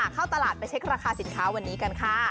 เข้าตลาดไปเช็คราคาสินค้าวันนี้กันค่ะ